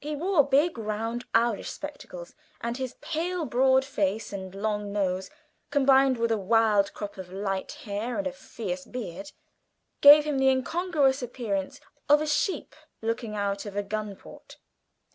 He wore big round owlish spectacles, and his pale broad face and long nose, combined with a wild crop of light hair and a fierce beard, gave him the incongruous appearance of a sheep looking out of a gun port.